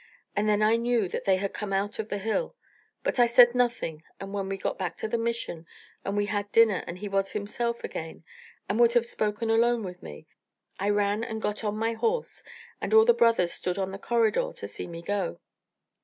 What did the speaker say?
And then I knew that they had come out of the hill; but I said nothing, and when we got back to the Mission and had had dinner and he was himself again and would have spoken alone with me, I ran and got on my horse, and all the brothers stood on the corridor to see me go.